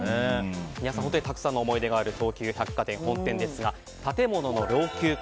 皆さん、本当にたくさんの思い出がある東急百貨店本店ですが建物の老朽化